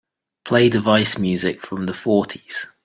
Play Device music from the fourties.